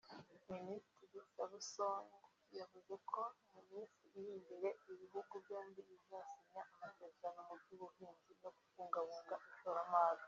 Minisitiri Çavuşoğlu yavuze ko mu minsi iri imbere ibihugu byombi bizasinya amasezerano mu by’ubuhinzi no kubungabunga ishoramari